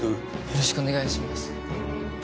よろしくお願いします。